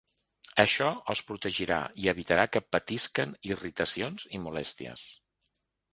Això els protegirà i evitarà que patisquen irritacions i molèsties.